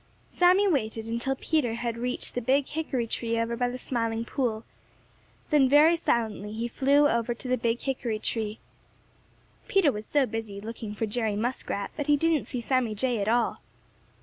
Sammy waited until Peter had reached the big hickory tree over by the Smiling Pool, then very silently he flew over to the big hickory tree. Peter was so busy looking for Jerry Muskrat that he didn't see Sammy Jay at all.